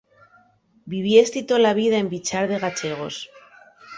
Viviesti tola vida en Viḷḷar de Gaḷḷegos.